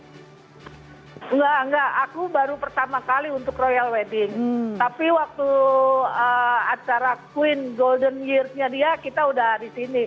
enggak enggak aku baru pertama kali untuk royal wedding tapi waktu acara queen golden yearsnya dia kita udah di sini